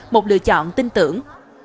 một lựa chọn tin tưởng